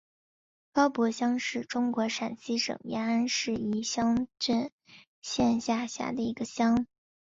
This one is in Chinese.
高柏乡是中国陕西省延安市宜川县下辖的一个乡。